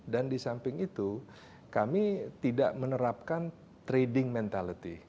dan di samping itu kami tidak menerapkan trading mentality